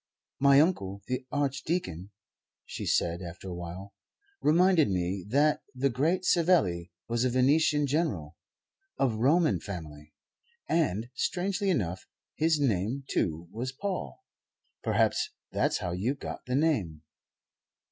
"My uncle, the Archdeacon," she said, after a while, "reminded me that the great Savelli was a Venetian general of Roman family; and, strangely enough, his name, too, was Paul. Perhaps that's how you got the name."